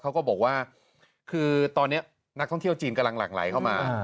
เขาก็บอกว่าคือตอนนี้นักท่องเที่ยวจีนกำลังหลั่งไหลเข้ามา